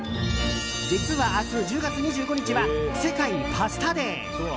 実は明日、１０月２５日は世界パスタデー。